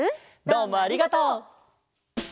どうもありがとう！